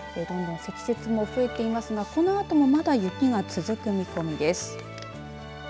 どんどん積雪も増えていますがこのあともまだ雪が続く見込みです。